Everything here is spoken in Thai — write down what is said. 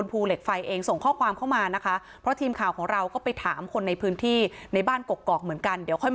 คุณเขมสอนครับท่านผู้ชมครับ